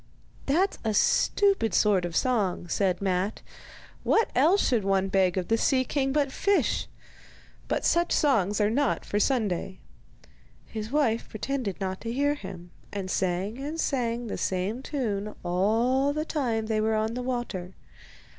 'That's a stupid sort of song,' said Matte. 'What else should one beg of the sea king but fish? But such songs are not for Sunday.' His wife pretended not to hear him, and sang and sang the same tune all the time they were on the water.